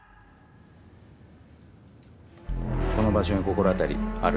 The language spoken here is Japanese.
この場所に心当たりある？